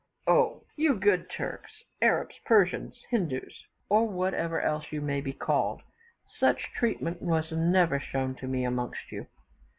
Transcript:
Oh! you good Turks, Arabs, Persians, Hindoos, or whatever else you may be called, such treatment was never shown to me amongst you!